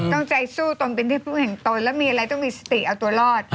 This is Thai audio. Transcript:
ต้องใจสู้ตนเป็นที่พึ่งแห่งตนแล้วมีอะไรต้องมีสติเอาตัวรอด